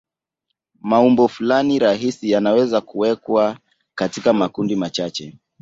Maumbo fulani rahisi yanaweza kuwekwa katika makundi machache.